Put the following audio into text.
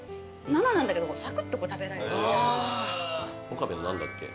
岡部の何だっけ？